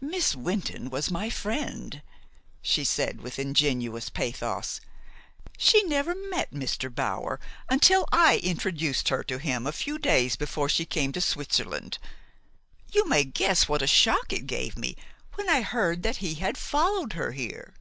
"Miss Wynton was my friend," she said with ingenuous pathos. "She never met Mr. Bower until I introduced her to him a few days before she came to Switzerland. You may guess what a shock it gave me when I heard that he had followed her here.